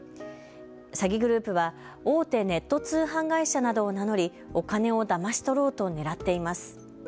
詐欺グループは大手ネット通販会社などを名乗りお金をだまし取ろうと狙っています。